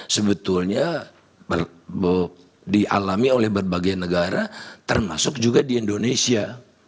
sebetulnya dialami oleh berbagai negara termasuk juga di indonesia